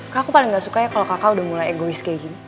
kak aku paling gak sukanya kalau kakak udah mulai egois kayak gini